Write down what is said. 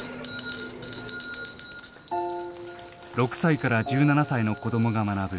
６歳から１７歳の子どもが学ぶ